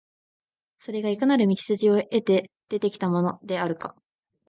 それがいかなる道筋を経て出来てきたものであるか、